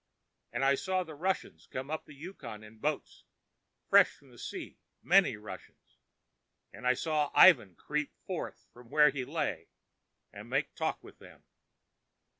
And I saw the Russians come up the Yukon in boats, fresh from the sea, many Russians; and I saw Ivan creep forth from where he lay hid and make talk with them.